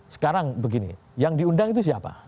sekarang begini yang diundang itu siapa